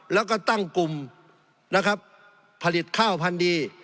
แล้วก็ตั้งกลุ่มนะครับผลิตข้าวพันธุ์ดี